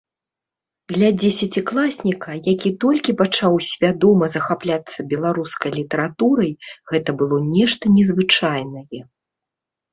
Для дзесяцікласніка, які толькі пачаў свядома захапляцца беларускай літаратурай, гэта было нешта незвычайнае.